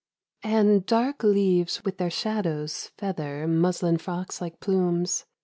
93 Apricot Jam. And dark leaves with their shadows feather Muslin frocks like plumes.